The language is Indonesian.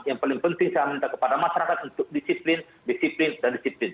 yang paling penting saya minta kepada masyarakat untuk disiplin disiplin dan disiplin